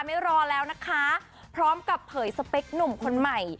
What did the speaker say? ไม่รอแล้วนะคะพร้อมกับเผยสเปคหนุ่มคนใหม่